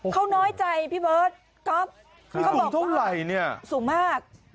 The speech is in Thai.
เขาน้อยใจพี่เบิร์ดก็สูงมาก